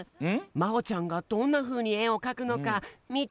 まほちゃんがどんなふうにえをかくのかみてみない？